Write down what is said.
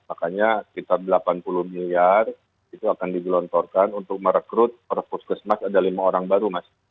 makanya sekitar delapan puluh miliar itu akan digelontorkan untuk merekrut perpuskesmas ada lima orang baru mas